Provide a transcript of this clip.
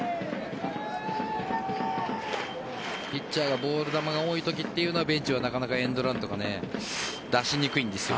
ピッチャーがボール球が多いときというのはベンチはなかなかエンドランとか出しにくいんですよ。